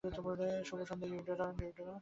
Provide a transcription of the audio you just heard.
শুভ সন্ধ্যা, Eudora.